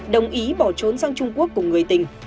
đồng ý bỏ trốn sang trung quốc cùng người tình